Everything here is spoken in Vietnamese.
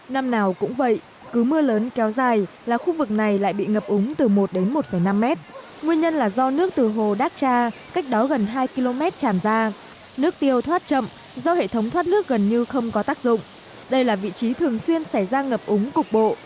năm nào cũng vậy cứ mưa lớn kéo dài là khu vực này lại bị ngập úng từ một đến một năm mét nguyên nhân là do nước từ hồ đát cha cách đó gần hai km tràn ra nước tiêu thoát chậm do hệ thống thoát nước gần như không có tác dụng đây là vị trí thường xuyên xảy ra ngập úng cục bộ